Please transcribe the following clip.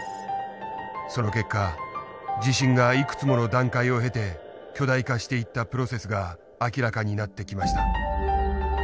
その結果地震がいくつもの段階を経て巨大化していったプロセスが明らかになってきました。